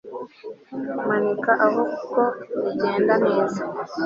Manika aho kuko bigenda neza